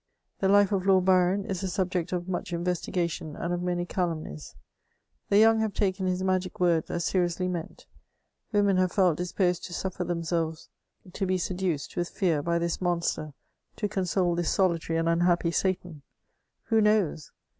The life of Lord Byron is a subject of much investigation and of many calumnies ; the young have taken his magic words as seriously meant ; women have felt disposed to suffer themselves to be seduced, with fear, by this monster, to console this solitary and unhappy Satan. Who knows